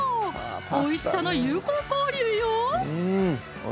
おいしさの友好交流よ